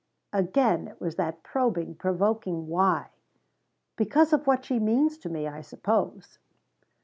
Again it was that probing, provoking why. "Because of what she means to me, I suppose."